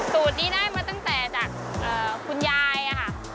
สูตรนี้ได้มาตั้งแต่จากคุณยายค่ะ